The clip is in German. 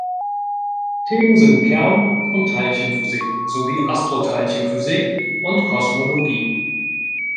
Themen sind Kern- und Teilchenphysik, sowie Astroteilchenphysik und Kosmologie.